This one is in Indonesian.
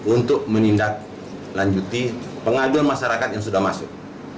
untuk menindaklanjuti pengaduan masyarakat yang sudah masuk